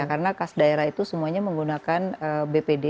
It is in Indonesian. karena kas daerah itu semuanya menggunakan bpd